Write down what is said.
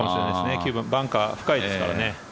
９番、バンカーは深いですからね。